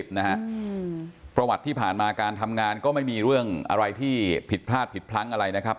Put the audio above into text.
ประวัติที่ผ่านมาการทำงานก็ไม่มีเรื่องอะไรที่ผิดพลาดผิดพลั้งอะไรนะครับ